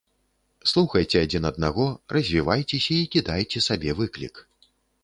Слухайце адзін аднаго, развівайцеся і кідайце сабе выклік.